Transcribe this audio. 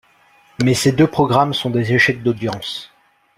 Mais ces deux programmes sont des échecs d'audiences.